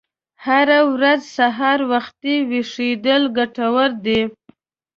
هره ورځ سهار وختي ویښیدل ګټور دي.